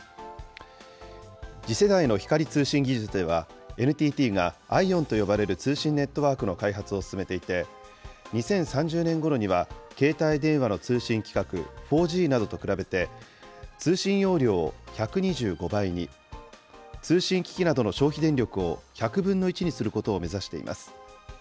次世代の光通信技術では、ＮＴＴがＩＯＷＮと呼ばれる通信ネットワークの開発を進めていて、２０３０年ごろには、携帯電話の通信規格、４Ｇなどと比べて、通信容量を１２５倍に、通信機器などの消費電力を１００分の１にすることを目指しています。